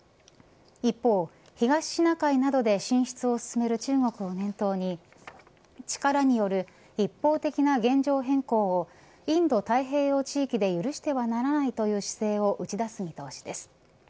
一方、東シナ海などで進出を進める中国を念頭に力による一方的な現状変更をインド太平洋地域で許してはならないとの姿勢を打ち出す見通しです。